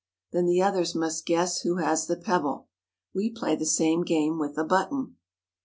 Then the others must guess who has the peb ble. We play the same game with the button.